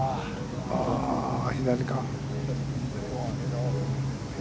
左か。